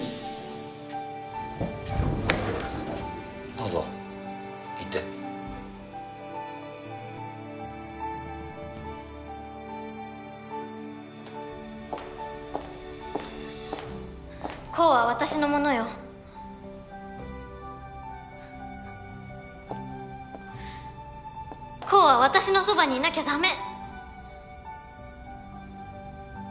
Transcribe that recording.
どうぞ行って煌は私のものよ煌は私のそばにいなきゃダメ！